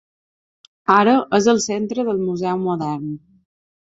Ara és el centre del museu modern.